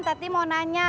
tadi mau tanya